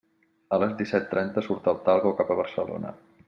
A les disset trenta surt el Talgo cap a Barcelona.